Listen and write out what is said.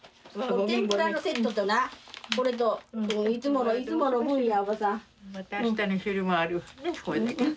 天ぷらのセットとなこれといつものいつもの分やおばさん。